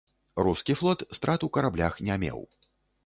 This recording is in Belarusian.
Рускі флот страт у караблях не меў.